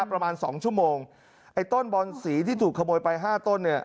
ประมาณสองชั่วโมงไอ้ต้นบอนสีที่ถูกขโมยไปห้าต้นเนี่ย